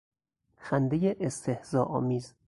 خندهی استهزا آمیز